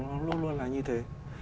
nó luôn luôn là như thế